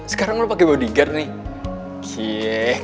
sekarang lo pakai body guard nih